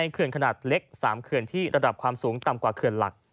๓เคือนที่ระดับความสูงต่ำกว่าเคือนหลัก